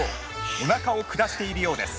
おなかを下しているようです。